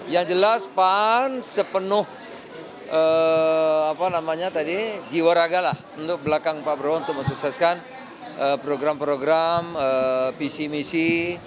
yang jelas pan sepenuh jiwa raga lah untuk belakang pak prabowo untuk mensukseskan program program visi misi